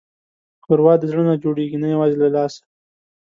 ښوروا د زړه نه جوړېږي، نه یوازې له لاسه.